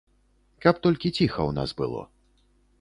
Каб толькі ціха ў нас было.